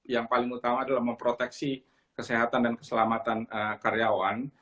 yang paling utama adalah memproteksi kesehatan dan keselamatan karyawan